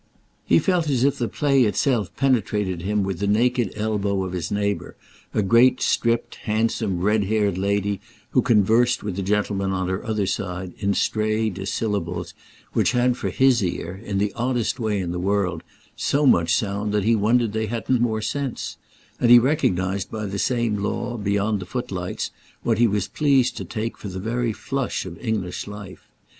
He felt as if the play itself penetrated him with the naked elbow of his neighbour, a great stripped handsome red haired lady who conversed with a gentleman on her other side in stray dissyllables which had for his ear, in the oddest way in the world, so much sound that he wondered they hadn't more sense; and he recognised by the same law, beyond the footlights, what he was pleased to take for the very flush of English life.